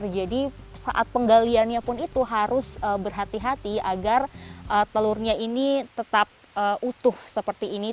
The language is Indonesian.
jadi saat penggaliannya pun itu harus berhati hati agar telurnya ini tetap utuh seperti ini